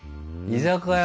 居酒屋。